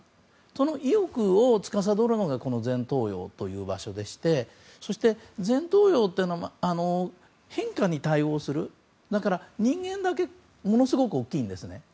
その意欲を司るのが前頭葉という場所でしてそして、前頭葉というのは変化に対応するのでだから人間だけものすごく大きいんですね。